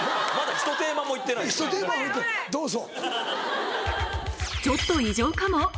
ひとテーマもいってないどうぞ。